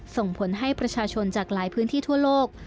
ส่งผลให้ประชาชนจากหลายพื้นที่ทั่วโลก